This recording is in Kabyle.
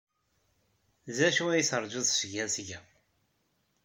D acu ay teṛjiḍ seg-i ad t-geɣ?